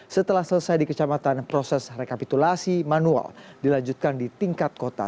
setelah selesai di kecamatan proses rekapitulasi manual dilanjutkan di tingkat kota